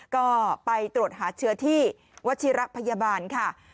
ก็ไปตรวจหาเชื้อที่วัชิระพยาบาลค่ะ